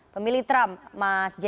pemilih trump mas j